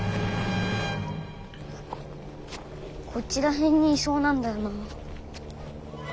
こっちら辺にいそうなんだよな。